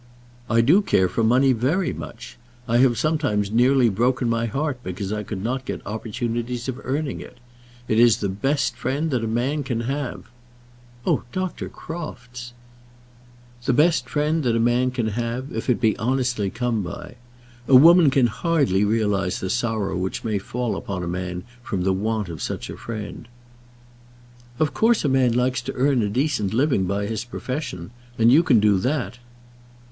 "I do care for money very much. I have sometimes nearly broken my heart because I could not get opportunities of earning it. It is the best friend that a man can have " "Oh, Dr. Crofts!" " the best friend that a man can have, if it be honestly come by. A woman can hardly realize the sorrow which may fall upon a man from the want of such a friend." "Of course a man likes to earn a decent living by his profession; and you can do that."